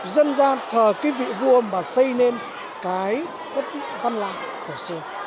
dân gian thở cái vị vua mà xây nên cái đất văn lan của xưa